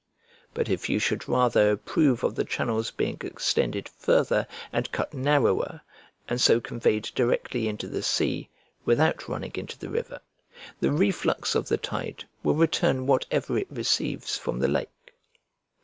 But if you should rather approve of the channel's being extended farther and cut narrower, and so conveyed directly into the sea, without running into the river, the reflux of the tide will return whatever it receives from the lake.